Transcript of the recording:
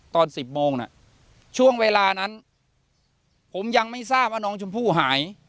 ตอน๑๐โมงน่ะช่วงเวลานั้นผมยังไม่ทราบว่าน้องชมพู่หาย